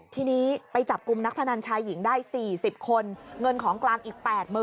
ทีนี้ไปจับกลุ่มนักพนันชายหญิงได้๔๐คนเงินของกลางอีก๘๐๐๐